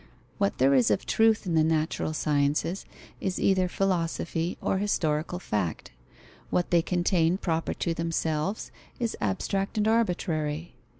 What there is of truth in the natural sciences, is either philosophy or historical fact. What they contain proper to themselves is abstract and arbitrary.